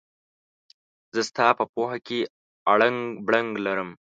زه ستا په پوهه کې اړنګ بړنګ لرم.